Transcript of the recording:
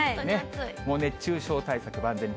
もう熱中症対策万全に。